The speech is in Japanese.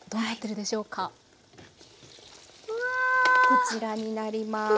こちらになります。